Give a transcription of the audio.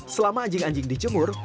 selama anjing anjing dicemur